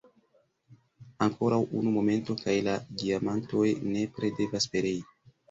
Ankoraŭ unu momento, kaj la geamantoj nepre devas perei!